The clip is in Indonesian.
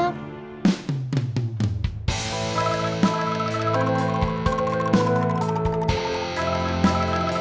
aku bisa tarik